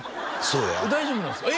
そうや大丈夫なんすか？